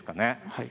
はい。